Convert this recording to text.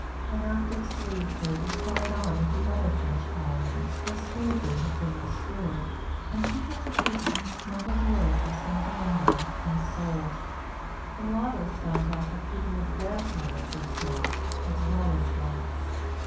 An active slave trade was carried on with the other French colonies, where Slavery had been restored, and people were frequently smuggled away from St. Domingo and sold. The mulattoes found out that people of their color were sold, as well as blacks.